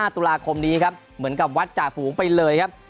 ๑๕ตุลาคมนี้ครับเหมือนกับวัฒน์จากภูมิไปเลยครับ